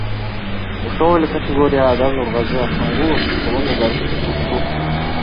Ошол эле категорияда Нургазы Асангулов коло медаль утту.